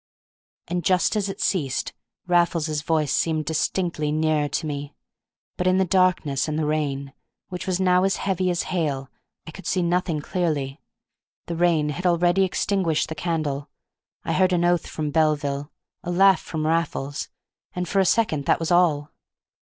And, just as it ceased, Raffles's voice seemed distinctly nearer to me; but in the darkness and the rain, which was now as heavy as hail, I could see nothing clearly. The rain had already extinguished the candle. I heard an oath from Belville, a laugh from Raffles, and for a second that was all.